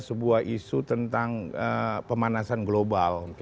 sebuah isu tentang pemanasan global